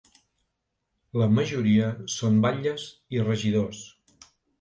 La majoria són batlles i regidors.